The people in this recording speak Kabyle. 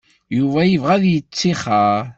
Yuba yebɣa ad yettixer.